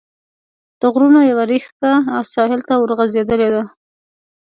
د غرونو یوه ريښکه ساحل ته ورغځېدلې ده.